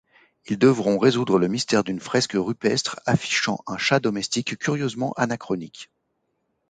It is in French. Ils devront résoudre le mystère d’une fresque rupestre affichant un chat domestique curieusement anachronique.